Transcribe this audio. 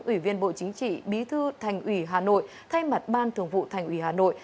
ủy viên bộ chính trị bí thư thành ủy hà nội thay mặt ban thường vụ thành ủy hà nội